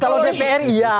kalau ppr iya